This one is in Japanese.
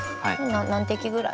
何滴ぐらい？